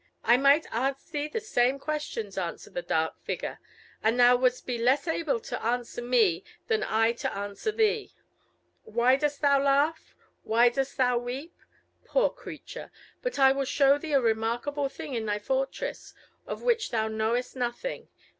"I might ask thee the same questions," answered the dark figure, "and thou wouldst be less able to answer me than I to answer thee. Why dost thou laugh? why dost thou weep? Poor creature! But I will show thee a remarkable thing in thy fortress, of which thou knowest nothing.